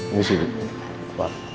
ini sih pak